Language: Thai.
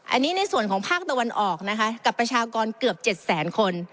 อันนี้ในส่วนของภาคตะวันออกนะคะกับประชากรเกือบ๗แสนคน